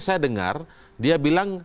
saya dengar dia bilang